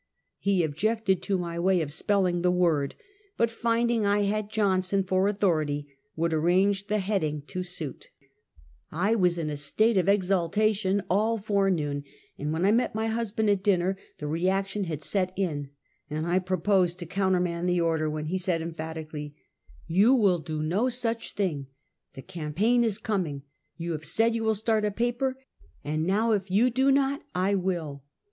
He objected to my way of spelling the word, but finding I had Johnson for authority, would arrange the heading to suit. PiTTSBUEG Saturday Yisitek. 109 I was in a state of exaltation all forenoon, and when I met my Imsband at dinner, the reaction had set in, and I proposed to countermand the order, when he said emphatically: " You will do no such thing. The campaign is coming, you have said you will start a paper, and now if you do not, I will."